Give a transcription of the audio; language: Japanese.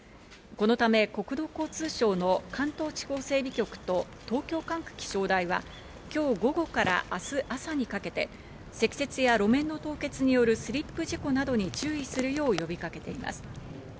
このため国土交通省の関東地方整備局と東京管区気象台は、今日午後から明日朝にかけて積雪や路面の凍結によるスリップ事故などに注意するよう呼びかけています。